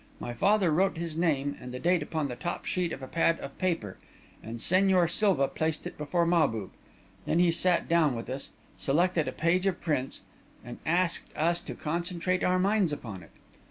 My father wrote his name and the date upon the top sheet of a pad of paper, and Señor Silva placed it before Mahbub. Then he sat down with us, selected a page of prints, and asked us to concentrate our minds upon it.